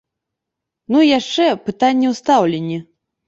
Ну і яшчэ, пытанне ў стаўленні.